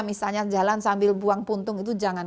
misalnya jalan sambil buang puntung itu jangan